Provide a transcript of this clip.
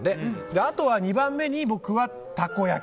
あとは２番目に僕はたこ焼き。